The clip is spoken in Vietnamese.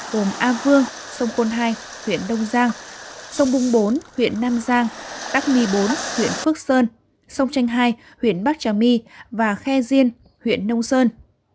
gồm a vương sông côn hai huyện đông giang sông bung bốn huyện nam giang đắc my bốn huyện phước sơn sông chanh hai huyện bắc trà my và khe diên huyện nông sơn